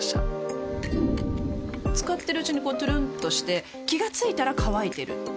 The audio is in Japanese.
使ってるうちにこうトゥルンとして気が付いたら乾いてる